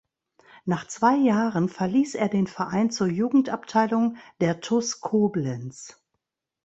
Nach zwei Jahren verließ er den Verein zur Jugendabteilung der TuS Koblenz.